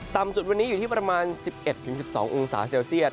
ต่ำสุดวันนี้อยู่ที่ประมาณ๑๑๑๒องศาเซลเซียต